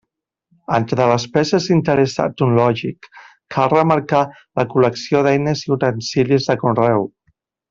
Entre les peces d'interés etnològic cal remarcar la col·lecció d'eines i utensilis de conreu.